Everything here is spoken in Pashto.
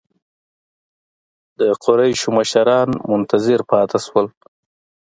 د قریشو مشران منتظر پاتې شول.